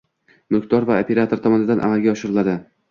mulkdor va operator tomonidan amalga oshiriladi.